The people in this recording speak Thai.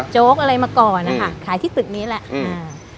โจ๊กอะไรมาก่อนนะคะขายที่ตึกนี้แหละอ่า